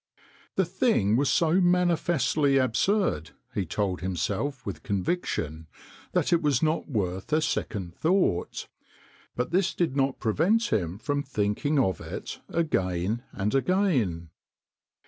The thing was so manifestly absurd, he told himself with conviction, that it was not worth a second thought, but this did not prevent him from thinking of it again and again.